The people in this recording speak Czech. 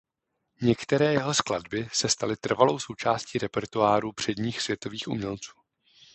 Některé jeho skladby se staly trvalou součástí repertoáru předních světových umělců.